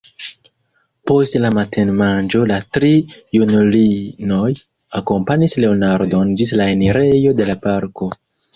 Post la matenmanĝo la tri junulinoj akompanis Leonardon ĝis la enirejo de la parko.